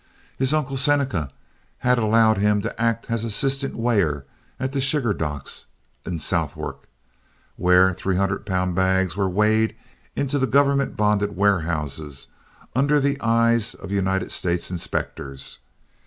His Uncle Seneca had allowed him to act as assistant weigher at the sugar docks in Southwark, where three hundred pound bags were weighed into the government bonded warehouses under the eyes of United States inspectors.